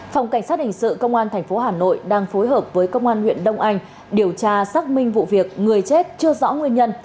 phòng cảnh sát hình sự công an tp hà nội đang phối hợp với công an huyện đông anh điều tra xác minh vụ việc người chết chưa rõ nguyên nhân